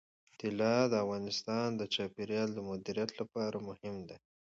طلا د افغانستان د چاپیریال د مدیریت لپاره مهم دي.